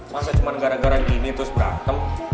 masa cuma gara gara gini terus berantem